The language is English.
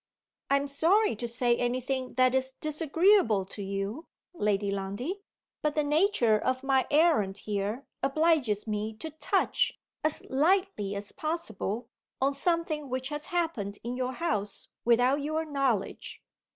"I am sorry to say any thing that is disagreeable to you, Lady Lundie. But the nature of my errand here obliges me to touch as lightly as possible on something which has happened in your house without your knowledge."